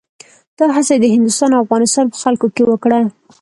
دا هڅه یې د هندوستان او افغانستان په خلکو کې وکړه.